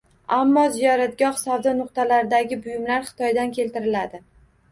Ammo ziyoratgoh savdo nuqtalaridagi buyumlar Xitoydan keltiriladi.